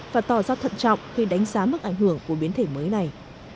và tỏ ra thận trọng khi đánh giá mức ảnh hưởng của biến thể mới này